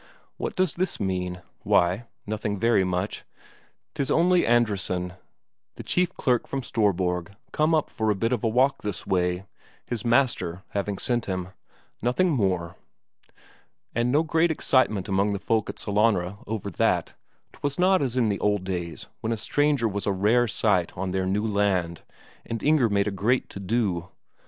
What does this mean? Why, nothing very much, 'tis only Andresen, the chief clerk from Storborg, come up for a bit of a walk this way his master having sent him. Nothing more. And no great excitement among the folk at Sellanraa over that 'twas not as in the old days, when a stranger was a rare sight on their new land, and Inger made a great to do.